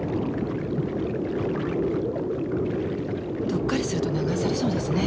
うっかりすると流されそうですね。